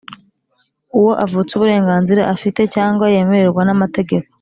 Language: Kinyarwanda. uwo avutsa uburenganzira afite cyangwa yemererwa n’amategeko,